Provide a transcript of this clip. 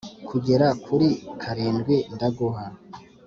kugera kuri karindwi ndaguha